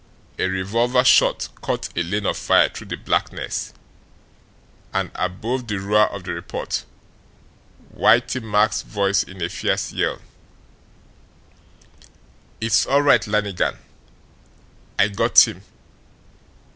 A revolver shot cut a lane of fire through the blackness; and, above the roar of the report, Whitey Mack's voice in a fierce yell: "It's all right, Lannigan! I got him!